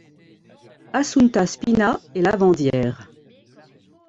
Assunta Spina est lavandière.